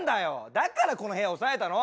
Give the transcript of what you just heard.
だからこの部屋押さえたの！